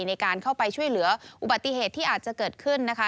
ในการเข้าไปช่วยเหลืออุบัติเหตุที่อาจจะเกิดขึ้นนะคะ